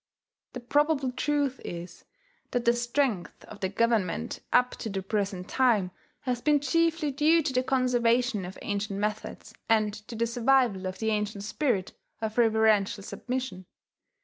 The probable truth is that the strength of the government up to the present time has been chiefly due to the conservation of ancient methods, and to the survival of the ancient spirit of reverential submission.